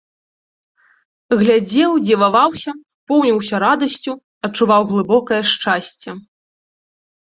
Глядзеў, дзіваваўся, поўніўся радасцю, адчуваў глыбокае шчасце.